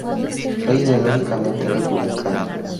Fue ideológicamente republicano.